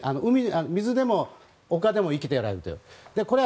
水でも丘でも生きていられると。